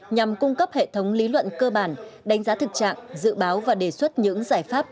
nhằm cung cấp hệ thống lý luận cơ bản đánh giá thực trạng dự báo và đề xuất những giải pháp